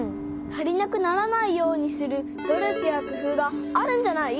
足りなくならないようにする努力やくふうがあるんじゃない？